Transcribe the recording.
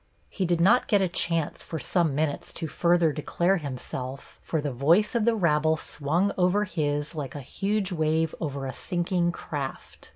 He did not get a chance for some minutes to further declare himself, for the voice of the rabble swung over his like a huge wave over a sinking craft.